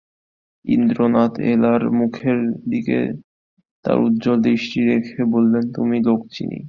ইন্দ্রনাথ এলার মুখের দিকে তাঁর উজ্জ্বল দৃষ্টি রেখে বললেন, আমি লোক চিনি।